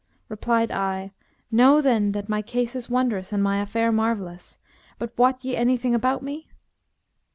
Replied I, 'Know then that my case is wondrous and my affair marvellous; but wot ye anything about me?'